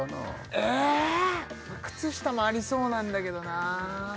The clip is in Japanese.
えーっ靴下もありそうなんだけどな